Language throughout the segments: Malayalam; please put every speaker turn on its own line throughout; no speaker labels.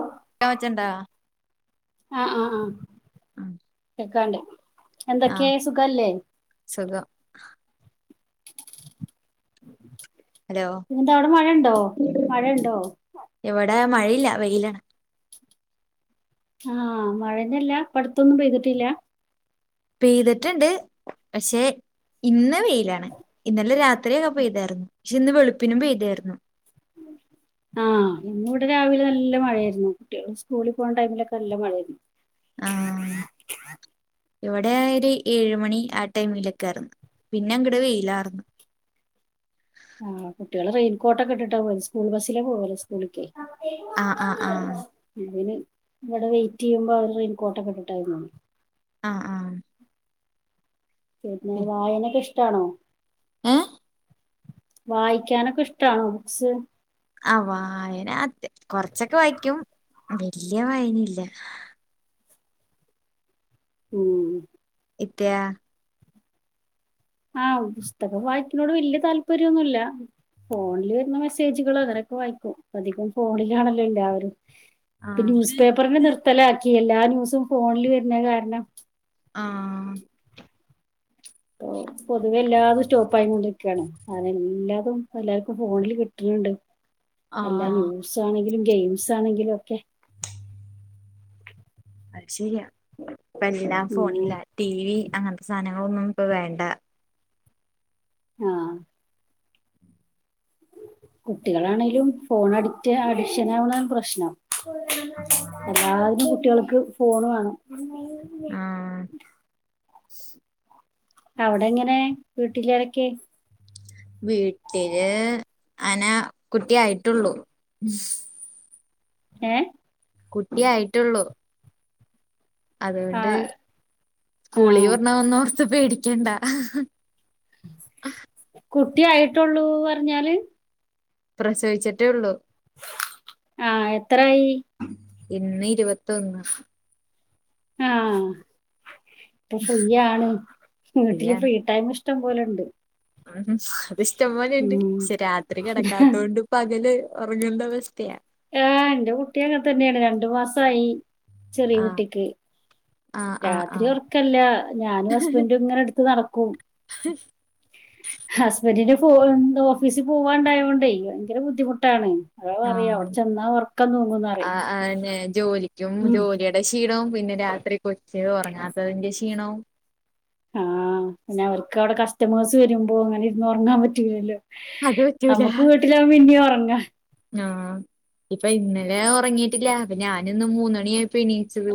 ആഹ്
[unintelligible] വെച്ചണ്ടാ
ആഹ് ആഹ ആഹ
ഉഹ
ണ്ട് എന്തൊകേ സുഖല്ലേ
സുഖം ഹലോ
അവിടെ മഴ ഉണ്ടോ മഴ ഉണ്ടോ
എവിടെ മഴയില്ല വെയിലാണ്
ആഹ മഴന്നല്ല പടത്തൊന്നും പെയ്തിട്ടില്ല
പെയ്തിട്ടുണ്ട് പക്ഷെ ഇന്ന്‌ വെയിലാണ് ഇന്നലെ രാത് അത്രയൊക്കെ പെയ്തായി പക്ഷെ ഇന്ന് വെളുപ്പിനും പെയ്തായിരുന്നു
ആഹ ആ്ന്നിവിടെ രാവിലെ നല്ല മഴയായിരുന്നു കുട്ടികൾ സ്കൂളിൽ പോകണ ടൈമിലൊക്കെ നല്ല മഴയായിരുന്നു
ആ
േ
ഇവിടെ ആ ഒരു ഏഴ് മണി ആ ടൈമിലൊക്കെ ആര്ന്ന് പിന്നെ അങ്ങടെ വെയിലാറന്നു
ആഹ കുട്ടികൾ റെയിൻകോട്ട ഒക്കെ ഇട്ട പോകും സ്കൂൾ ബസിലേ പോല്ല സ്കൂളേക്ക്
ആ ആ ആ
[inaudible] അതിന് ഇവിടെ വെയിറ്റ് ചെയ്യുമ്പോ അവ റെയിൻ കോട്ടകെ ഇട്ടട്ടായിണ്
ആഹ് ആഹ
പിന്നെ വായനൊക്കെ ഇഷ്ടാണോ
ഏഹ്
വായിക്കാനൊക്കെ ഇഷ്ടണോ ബുക്സ്
ആ വായന കൊറച്ചൊക്കെ വായിക്കും വല്യ വായന ഇല്ല
ഉം
ഇത്യാ
ആഹ് പുസ്തകം വായിക്കിനോണ്ട് വല്യ താല്പര്യൊന്നുല്ല ഫോണില് വര്ന്ന മെസ്സേജുകള് അങ്ങ നൊക്കെ വായിക്കും പ്പോ അധികും ഫോണിലാണല്ലോ എല്ലാവരും
ആ
ഇപ്പ ന്യൂസ് പേപ്പറെന്നെ നിർത്തലാക്കി എല്ലാ ന്യൂസും ഫോണില് വര്നെ കാര്ണം
ആഹ്
പൊതുവെ എല്ലാതും സ്റ്റോപ്പായി കൊണ്ട്ക്കാണ് അതെല്ലാതും എല്ലാർക്കും ഫോണില് കിട്ട്ണ് ണ്ട്
ആ
അല്ല ന്യൂസ് ആണെങ്കിലും ഗെയിംസ് ആണെങ്കിലും ഒക്കെ
അയ് ശരിയാ പ്പ എല്ലാം
ഉം
ഫോണില ടി വി അങ്ങന് ത്തെ സാനങ്ങളൊന്നും പ്പ വേണ്ട
ആഹ് കുട്ടികളാണെലും ഫോൺ അഡിക്റ്റ് അഡിക്ഷനാവ്ണാണ് പ്രശ്നം എല്ലായ്നും കുട്ട്യേൾക് ഫോണ് വേണം
ആഹ്
അവിടങ്ങനെ വീട്ടിലാരെക്കെ
വീട്ടില് അന കുട്ടിയായിട്ടൊള്ളു
ഏ
കുട്ടിയായിട്ടുള്ളൂ
ആ
അതുകൊണ്ട്
ആ
കൂളീ വെർണോന്നോർ ത്ത് പേടിക്കണ്ടാ
കുട്ടിയായിട്ടൊള്ളൂ പർഞ്ഞാല്
പ്രസവിച്ചിട്ടേ ഒള്ളൂ
ആഹ് എത്രായി
ഇന്ന് ഇരുപത്തൊന്ന്
ആഹ് ഇപ്പൊ ഫ്രീയാണ് വീട്ടില്
ഫ്രീയാണ്
ഫ്രീ ടൈം ഇഷ്ടം പോലെണ്ട്
ഉം അത് ഇഷ്ടംപോലെണ്ട് ക്ഷെ രാത്രി കെടക്കാത്തോണ്ട് പകല് ഒറങ്ങേണ്ട അവസ്ഥയാ
ഏ ന്റെകുട്ടി ഓക്കതന്നെണ് രണ്ടു മാസായി ചെറിയ
ആഹ്
കുട്ടിക്ക്.
ആഹ്
രാത്രി
ആഹ്
ഒർക്കല്ല. ഞാനും ഹസ്ബന്റും ങ്ങനെട്ത്ത് നട്ക്കും. ഹസ്ബന്റിന്റെ ഫോൺ ന്തോ ഓഫീസ് പോവാണ്ടായോണ്ടേ വയ്ങ്കര ബുദ്ധിമുട്ടാണ് താപറിയ അവിടെ ചെന്നാ ഉറക്കം തൂങ്ങുന്നറിം.
ആഹെന്നെ ജോലി ജും ജോലിയുടെ ക്ഷീണവും പിന്നെ രാത്രി കൊച്ച് ഒറ്ങ്ങാത്തതിന്റെ ക്ഷീണോം
ആഹ് പിന്നെ അവർക്ക് അവിടെ കസ്റ്റമേഴ്സ് വരുമ്പോ ഇങ്ങനെര്ന്ന് ഒറ്ങ്ങാം പറ്റൂലല്ലോ.
അത് പറ്റൂല.
നമുക്ക് വീട്ടിലാവുമ്പോ ഇനിയും ഉറങ്ങാം
ആഹ് ഇപ്പ ഇന്നലെ ഒർങ്ങീട്ടില്ല അപ്പ ഞാനിന്ന് മൂന്നണിയായപ്പോ എണീച്ചത്.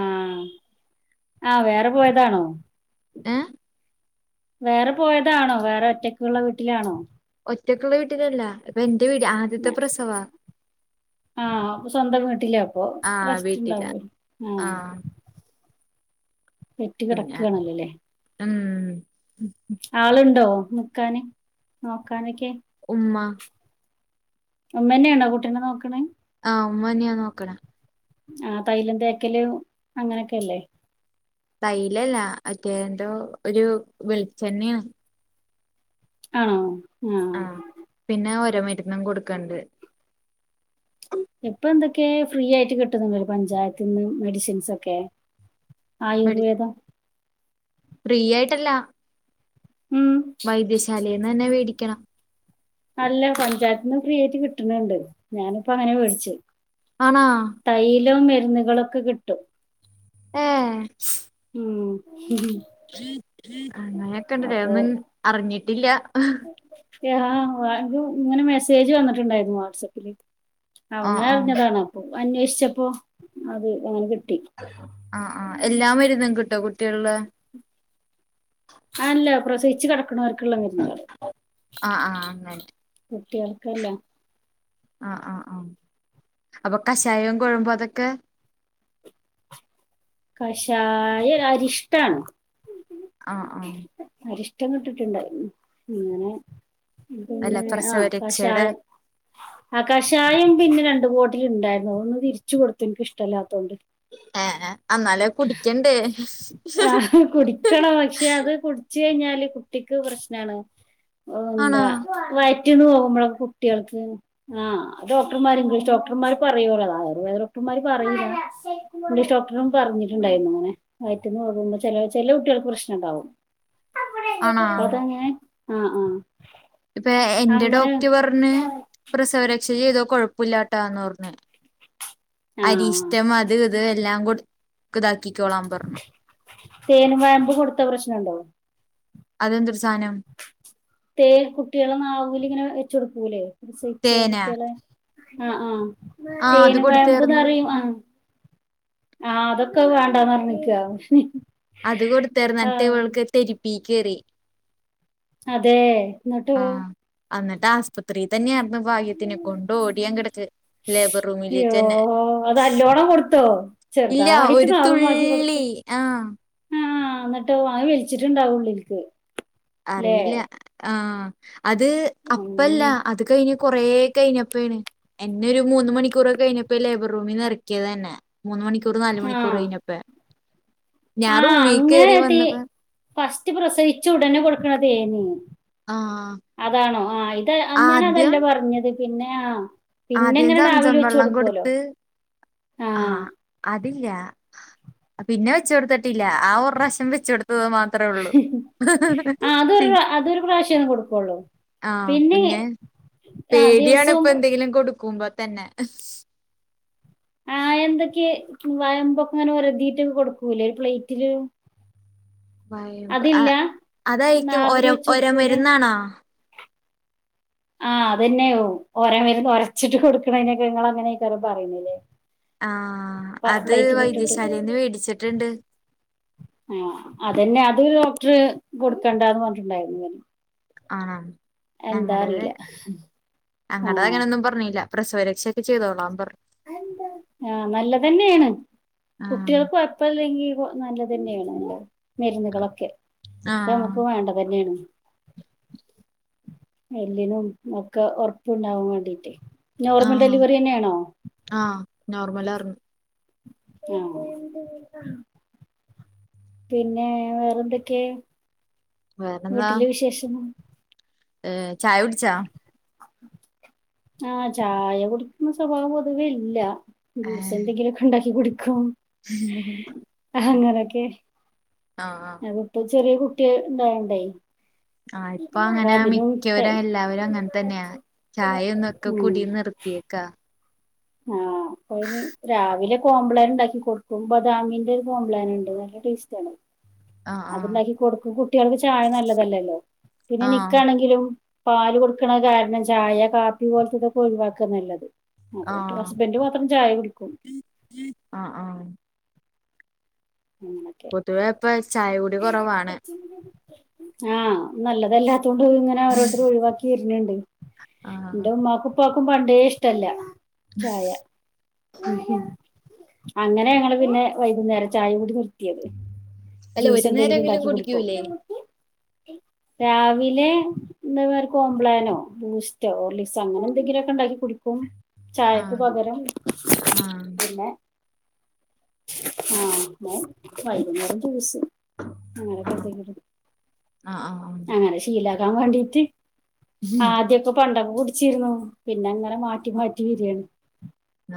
ആഹ് ആവേറെ പോയതാണോ?
ഏഹേ
വേറെ പോയതാണോ? വേറെ ഒറ്റക്ക്‌ള്ള വീട്ടിലാണോ?
ഒറ്റക്കുള്ളവീട്ടിലല്ല. ഇപ്പെന്റെ വീടി
ആ
ആദ്യത്തെ പ്രസവ.
ആഹ് സ്വന്തം വീട്ടിലപ്പൊ.
ആഹ്
റെസ്റ്റ്
വീട്ടിലാ
ഇണ്ടാവല്ലോ ആഹ്. പെറ്റ് കടക്കാണല്ലോല്ലേ?
ഉഹും
ആള്ണ്ടോ? ന്ക്കാന് നോക്കാനൊക്കെ?
ഉമ്മാ
ഉമ്മന്നെണോ കുട്ടിനെ നോക്ക്‌ണേ?
ആഹ് ഉമ്മന്നെ നോക്ക്‌ണെ.
ആ തൈലം തേക്കല് അങ്ങനൊക്കെല്ലേ?
തൈലല്ല. അറ്റെ ന്തോ ഒരു വെള്ച്ചെണ്യണ്.
ആണോ? ആഹ്
പിന്നെ ഒര മരുന്നും കൊടുക്കണ്ട്.
ഇപ്പൊന്തൊക്കേ ഫ്രീ ആയിട്ട് കിട്ടുന്ന്ണ്ടലോ? പഞ്ചായത്തിന്ന് മെഡിസിൻസ് ഒക്കെ.
മെഡി
ആയുർവേദം
ഫ്രീ ആയിട്ടല്ല.
ഉം
വൈദ്യശാലിന്ന് ന്നെ വേടിക്കണം.
അല്ല പഞ്ചായത്തിന്ന് ഫ്രീ ആയിട്ട് കിട്ടുണ് ണ്ട്. ഞാനിപ്പ അങ്ങനെ വേട്ച്ചു.
ആണോ?
തൈയിലോ? മരുന്നുകളൊക്കെ കിട്ടും.
ആഹേ
ഉും ഹും ഹും
അങ്ങനെയൊക്കെണ്ട്ല്ലേ? ഒന്നും അറിഞ്ഞിട്ടില്ല.
യാ ഓൽതു ഇങ്ങനെ മെസ്സേജ് വന്നിട്ടുണ്ടായിരുന്നു വാട്സആപ്പില്.
ആഹ്
അങ്ങനെ
ആഹ്
അറിഞ്ഞതാണ്. അപ്പൊ അന്വേഷിച്ചപ്പോ അത് അങ്ങനെ കിട്ടി
ആഹ് ആഹ്. എല്ലാ മരുന്നും കിട്ടോ കുട്ടിള്ടെ?
ആല്ല പ്രസവിച്ച് കിടണോർത്. ക്ക്ളള മരുന്നാള്
ആഹ് ആഹ് അങ്ങനെ
കുട്ടിൾക്കല്ല.
ആഹ് ആഹ് ആഹ് അപ്പൊ കഷായും കൊഴമ്പും അതൊക്കെ.
കഷായല്ല അരിഷ്ടാണ്.
ആഹ് ആഹ്
അരിഷ്ടം കിട്ടിട്ട്ണ്ട് അങ്ങനെ
അല്ല
പിന്നെ ആഹ
പ്രസവരക്ഷയുടെ
കഷായം. ആഹ് കഷായം പിന്നെ രണ്ടു ബോട്ടില് ണ്ടായിരുന്നു. ഒന്ന് തിരിച്ചു കൊടുത്തു ഇന്ക്ക് ഇഷ്ടല്ലാതോണ്ട്.
ഏഹ് ഹേ അന്നാല് കുടിക്കണ്ടേ?
അത് കുടിക്കണം പക്ഷെ, അത് കുടിച്ച കഴിഞ്ഞാല് ഓ,
ആണോ
എന്താ, വയറ്റിന്ന് പോവുമ്പളക്കെ കുട്ടിൾക്ക്. ആഹ് ഡോക്ടർമാര് ഇംഗ്ലീഷ്ഡോക്ടർമാര് പറയുള്ളു. ആയുർവേദ ഡോക്ടർമാര് പറയൂല്ല. ഇ ഡോക്ടറും പറഞ്ഞിട്ടുണ്ടായിരുന്നു അങ്ങനെ വയറ്റന്ന്കുമ്പോ ചില ചില കുട്ടികൾക്ക് പ്രശ്നംണ്ടാവും
ആണോ
അത ഞൻ ആഹ ആഹ
ഇപ്പൊ എന്റെ ഡോക്ട പറഞ്ഞ് പ്രസവരക്ഷ ചെയ്തോ കൊഴപ്പില്ലാട്ടാന്ന് പറഞ്ഞഞ് അരി
ആഹ്
ഇഷ്ടം അത് ഇത് എല്ലാം കൊ ഇതാക്കിക്കോളാാം പറഞ്ഞു
തേനും വേമ്പും കൊടുത്ത പ്രശ്നം ഉണ്ടാവും
അതെന്ത് സധാനം
തേ കുട്ടികള ന ആാവൂല ഇങ്ങനെ വെച്ച കൊടുക്കൂല്ലേ കത്സച്ച്
തേന
കുട്ടികളെ ആഹ ആഹ
ആഹ് അത്
തേനും
കൊടുത്തായിരുന്നു
വേഴമ്പന്ന്റിയും ആഹ ആഹ അതൊക്കെ വേണ്ടാന്ന്റിഞ്ഞിക്കുക
അത് കൊടുത്തർ എന്നിട്ട് ഇവൾക്ക് തെരുപ്പീ കയറി
അതെ
ആ
എന്നിട്ടോ
എന്നിട്ട് ത്രീ തന്നെയായിരുന്നു ഭാഗ്യത്തിനെ കൊണ്ട് ഓടിയാൻ കിടക്ക് ലേബർ റൂമിലേക്ക് തന്നെ
പണം കൊടുത്തോ ചെറുതാ
ഇല്ല ഒരു
ആായിട്ട്ന്നാവും മാക്കി കൊൊടുക്ക
തുള്ളി ആഹ്
ആഹ എന്നിട്ട് അ വലിച്ചിട്ടുണ്ടാവും ഉള്ളിലക്ക്
അറിയില്ല ആ അത് അപ്പല്ല
ഉം.
അത് കഴിഞ്ഞഞ് കൊറേ കഴിഞ്ഞപ്പണ് എന്നെ ഒരു മൂന്ന് മണിക്കൂറൊക്കെഴിഞ്ഞപ്പോ ലേബർ റൂമിൽ നിറക്കിയത് തന്നെ മൂന്ന് മണിക്കൂ തൂറ് നാല
ആ
മണിക്കൂർ കഴിഞ്ഞപ്പ
ആ
ഞാൻറൂമി കയറി
അങ്ങനെ തേ
വന്നപ്പോ
ഫസ്റ്റ് പ്രസവിച്ചു ഉടനെ കൊടുക്കണതേനീ
ആഹ്
അതാണോ ആഹ ഇത് ഞാൻ
ആദ്യം
അതല്ല പറഞ്ഞത് പിന്നെ ആ പിന്നെ
ആദ്യം
ഇങ്ങനെ
ചച
നാവിൽ വെച്ച്
വെള്ളം
കൊടുക്കുമല്ലോ
കൊടുത്ത്
ആ
ആഹാ അതില്ല പിന്നെ വെച്ച കൊടുത്തിട്ടില്ല ആ ഒരുാവശം വെച്ച കൊടുത്തത് മാ
ആ അതൊരു അതൊരു പ്രാവശ്യന്ന് കൊടുക്കള്ളൂ
ആഹ പിന്നെ പേടിയാണ്
ദിവസവും
ഇപ്പ എന്തെങ്കിലും കൊടുക്കുമ്പോ തന്നെ
ആ എന്തൊക്കെ വയമ്പൊക്കെ അങ്ങനെ ഒരതിയിട്ടൊക്കെ കൊടുക്കൂല്ലേ ഒരു പ്ലേറ്റില്
വയമ്പ് അതായിക്കും ഒര
നാവിൽ വെച്ച്
ഒര
കൊടുക്കൂല
മരുന്നാണോ
ആഹ് അത തന്നെയോ ഓര മരുന്ന് ഉരച്ചിട്ട് കൊടുക്കണതിനൊക്കെ നിങ്ങ അങ്ങനെയൊക്കര പറയുന്നില്ലേ
ആ അത്
പ്ലേറ്റിലിട്ടിട്ട്
വൈദ്യശാലന്ന് മേടിച്ചിട്ടുണ്ട്
ആ അതന്നെ അത് ഡോക്ടർ കൊടുക്കണ്ടന്ന് പറഞ്ഞിട്ടുണ്ടായിരുന്നു ഇവന്ന്
ആണോ ഞങ്ങളടത്
അറിയില്ല
ഞങ്ങളടത്
ആഹ്
അങ്ങനെൊന്നും പറഞ്ഞില്ല പ്രസവരക്ഷയക്കെ ചെയ്തോളാൻ പറഞ്ഞ
ആ നല്ലതന്നെയാണ്
ആഹ്
കുട്ടികൾക്ക അപ്പ അല്ലെങ്കിൽ നല്ല തന്നെയാണ് മരുന്നുകളൊക്കെ
ആഹ്
നമുക്ക് വേണ്ട തന്നെയാണ് എല്ലിനും ഒക്കെ ഉറപ്പുണ്ടാവാൻ വേണ്ടീട്ടേ നോർമൽ ഡെലിവറി ന്ന ന്നെയാണോ
ആ നോർമലാർന്നു
ആ പിന്നെ വേറെന്തൊക്കെ വീട്ടില് വിശേഷം
ചായകുടിച്ചാ
ആഹ ചായ കുടിക്കുന്ന സ്വഭാവം പൊതുവേ ഇല്ല ജൂസ
ആഹ്
എന്തെങ്കിലുമൊക്കെ ഉണ്ടാക്കി കുടിക്കും
[unintelligible]
അങ്ങനെയൊക്കെ
ആ ആ
ഇപ്പൊ ചെറിയ കുട്ടിയ ഇണ്ടുണ്ടായി
ആഹ ഇപ്പൊ അങ്ങനെ മിക്കവരും എല്ലാവരും അങ്ങനെ തന്നെയാ ചായ ഒന്നൊക്കെ
ഉം
കുടി നിർത്തിയേക്ക
ആ അപ്പന് രാവിലെ കോംബ്ലൻ ഉണ്ടാക്കി കൊടുക്കും ബദാമിന്റെ ഒരു കോംബ്ലാന ഉണ്ട് നല്ല ടേസ്റ്റ ആണ്
ആഹ്
അതുണ്ടാക്കി കൊടുക്കും കുട്ടികൾക്ക് ചായ നല്ലതല്ലല്ലോ പിന്നെ
ആഹ് ആഹ്
നിക്കാണെങ്കിലും പാല് കൊടുക്കണ കാരണം ചായ കാപ്പി പോലത്തെ ഇതൊക്കെ ഒഴിവാക്ക നല്ലത് അതെ
ആഹ്
ഹസ്ബന്റ് മാത്രം ചായ കുടിക്കും
ആഹ് ആഹ്
അങ്ങനെയൊക്കെ
പൊതുവെ ഇപ്പ ചായ കുടി കുറവാണ്
ആഹ് നല്ലതല്ലാത്തൊണ്ട് ഇങ്ങനെ ഓരോരുത്തരെ ഒഴിവാക്കി [unintelligible]
ആഹ്
എന്റെ ഉമ്മാക്കും ഉപ്പക്കും പണ്ടേ ഇഷ്ടല്ല ചായ അങ്ങനെ ഞങ്ങള് പിന്നെ വൈകുന്നേരം ചായ കുടി നിർ ത്തിയത്
അല്ല
ജ്യൂസ്
ഒരു
എന്തെങ്കിലും
നേരെങ്കിലും
ഇണ്ടാക്കി കുടിക്കും
കുടിക്കൂലേ
രാവിലെ എന്താവേറെ കോബ്ലാനോ ബൂസ്റ്റോ ഹോർളിക്സോ അങ്ങനെ എന്തെങ്കിലൊക്കെ ഉണ്ടാക്കി കുടിക്കും ചായക്ക്
ആഹ്
പകരം
ആഹ്
പിന്നെ ആഹ് പിന്നെ വൈകുന്നേരം ജ്യൂസ്
ആഹ് ആഹ്
അങ്ങനെ ശീലകാൻ വേണ്ടീട്ട് ആ ആദ്യക്കെ പണ്ടൊക്ക കുടിച്ചിരുന്നു പിന്നെ അങ്ങനെ മാറ്റി മാറ്റി വരിയാണ്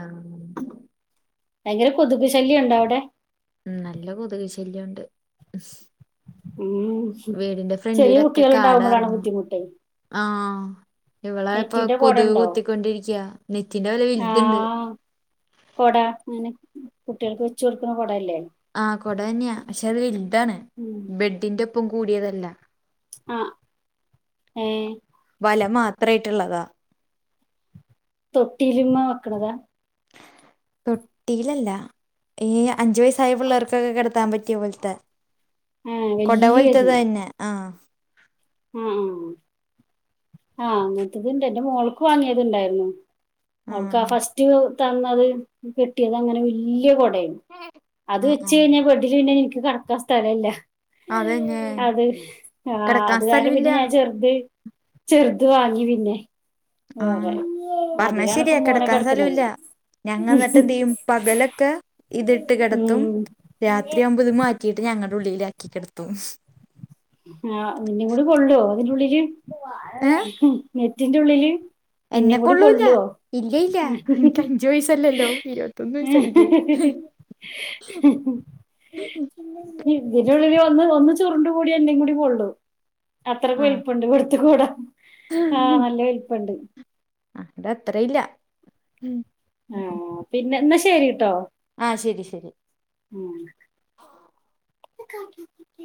ആഹ്
ഭയങ്കര കൊതുക് ശല്യം ഉണ്ടോ അവിടെ
ഉം നല്ല കൊതുക് ശല്യംണ്ട്
ഉം ചെറിയ കുട്ടികൾ ഉണ്ടാവുമ്പോഴാണ് ബുദ്ധിമുട്ട്
ആ ഇവളെ ഇപ്പൊ
നെറ്റിന്റെ കൊട
കൊതുക്
ഉണ്ടോ
കുത്തി കൊണ്ടിരിക്കാ നെറ്റിന്റെ ഒരു
ആ
ഇതുണ്ട്
കൊട അങ്ങനെ കുട്ടികൾക്ക് വെച്ച് കൊടുക്കണ കൊടയില്ലേ
ആ കൊട തന്നെയാ പക്ഷെ അത് വലുതാണ്
ഉം
ബെഡിന്റെ ഒപ്പം കൂടിയതല്ല
ആഹ് ഏഹ്
വല മാത്രായിട്ടുള്ളതാ
തൊട്ടിയിലിമ്മ വെക്കണതാ
തൊട്ടിയിലല്ല ഏയ്‌ അഞ്ചു വയസ്സായ പിള്ളേർക്കൊക്കെ കിടത്താൻ പറ്റിയ പോലത്തെ
ആ
കൊട പൊലത്തെ
വല്യത്
തന്നെ ആഹ്
ആഹ് ആ ആഹ് അങ്ങനത്തെ ഇതുണ്ട് എന്റെ മോൾക്ക് വാങ്ങിയത് ഇണ്ടായിരുന്നു അവൾക്ക് ആ
ആഹ്
ഫസ്റ്റ് തന്നത് കിട്ടിയത് അങ്ങനെ വലിയ കുടയാന്ന് അത്
ആഹ്
വെച്ച്
ആഹ്
കഴിഞ്ഞാൽ ബെഡില് പിന്നെ എനിക്ക് കടക്കാൻ സ്ഥലമില്ല
അതന്നെ
അത് ആഹ്
കിടക്കാൻ
അല്ലാണ്ട് പിന്നെ
സ്ഥലവില്ല
ഞാൻ ചെറുത് ചെറുത് വാങ്ങി പിന്നെ
ആഹ്
വേറെ
പറഞ്ഞ
അതിലാണ് ഇപ്പ
ശരിയാ
മോനെ
കിടക്കാൻ സ്ഥലം
കെടത്തണത്
ഇല്ല ഞങ്ങ എന്നിട്ട് എന്ത് ചെയ്യും പകലൊക്കെ ഇത് ഇട്ട് കിടത്തും
ഉം
രാത്രിയാകുമ്പോ ഇത് മാറ്റ റ്റീട്ട് ഞങ്ങടെ ഉള്ളിലാക്കി കിടുത്തും
ആഹ് നിന്നെ കൂടെ കൊള്ളുവോ അതിന്റെ ഉള്ളില്
ഏഹ്
നെറ്റിന്റെ ഉള്ളില് നിന്നെ
എന്നെ
കൂടി
കൊള്ളൂല
കൊള്ളുവോ
ഇല്ല ഇല്ല
ഹ്
എനിക്ക് അഞ്ചു വയസ്സല്ലല്ലോ ഇരുപത്തൊന്ന്
ഹ്
വയസ്സായില്ലേ
ഹ് ഇതിനുള്ളില് ഒന്ന് ഒന്ന് ചുരുണ്ട് കൂടിയാൽ എന്നെ കൂടി കൊള്ളും അത്രക്ക്
ആഹ്
വലിപ്പണ്ട് ഇവിടുത്തെ കുട ആഹ് നല്ല വലിപ്പണ്ട്
അതിന്റെ അത്രയും ഇല്ല
ആഹ് പിന്നെ എന്നാ ശരിട്ടോ
ആഹ് ശരി ശരി
ആഹ്